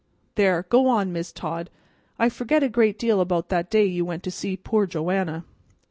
There, go on, Mis' Todd; I forget a great deal about that day you went to see poor Joanna."